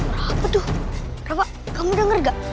rafa tuh rafa kamu denger gak